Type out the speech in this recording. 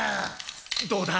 どうだ？